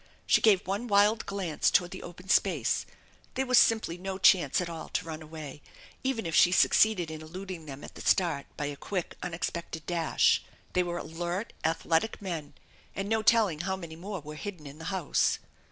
She gave one wild glance toward the open space. There was simply no chance at all to run away even if she succeeded in eluding them at the start by a quick, unexpected dash. They were alert athletic men, and no telling how many more were hidden in the house.